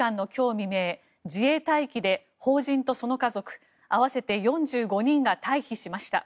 未明自衛隊機で法人とその家族合わせて４５人が退避しました。